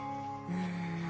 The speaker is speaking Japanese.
うん。